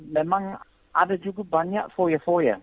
memang ada cukup banyak foya foya